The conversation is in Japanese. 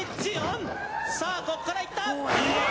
「さあこっからいった」